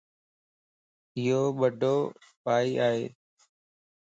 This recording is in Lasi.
ايو ٻڊو بائي ائي.